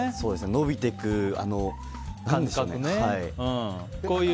伸びていく感覚が。